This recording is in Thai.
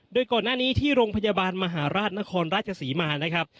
โดยก่อนหน้านี้ที่โรงพยาบาลมหาราชนครราชศรีมานะครับ